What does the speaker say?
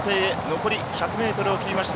残り１００ｍを切りました。